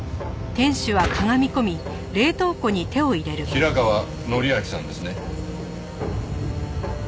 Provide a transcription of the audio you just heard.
平川典明さんですね？